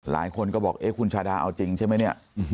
หลายคนก็บอกคุณชาดาเอาจริงใช่มั้ย